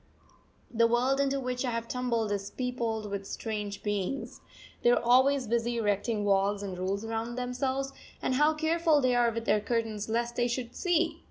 The world into which I have tumbled is peopled with strange beings. They are always busy erecting walls and rules round themselves, and how careful they are with their curtains lest they should see!